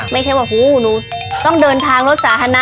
ไม่ใช่ว่าหูหนูต้องเดินทางรถสาธารณะ